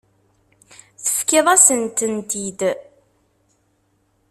Tefkiḍ-asen-tent-id.